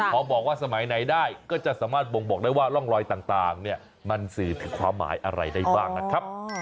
พอบอกว่าสมัยไหนได้ก็จะสามารถบ่งบอกได้ว่าร่องรอยต่างมันสื่อถึงความหมายอะไรได้บ้างนะครับ